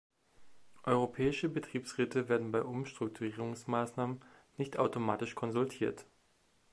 Europäische Betriebsräte werden bei Umstrukturierungsmaßnahmen nicht automatisch konsultiert.